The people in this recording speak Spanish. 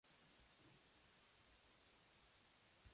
Los cuadrantes exteriores y los interiores están separados por una barra.